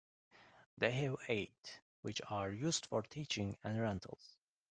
They have eight, which are used for teaching and rentals.